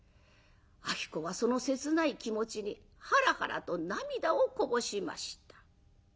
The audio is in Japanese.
子はその切ない気持ちにはらはらと涙をこぼしました。